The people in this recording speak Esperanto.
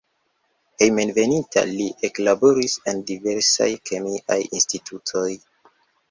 Hejmenveninta li eklaboris en diversaj kemiaj institutoj.